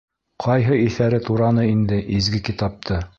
Ҡайһы иҫәре тураны инде изге китапты?